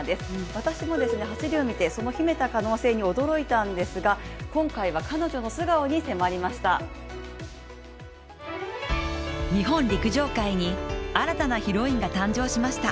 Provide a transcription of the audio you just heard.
私も走りを見て、その秘めた可能性に驚いたんですが今回は彼女の素顔に迫りました。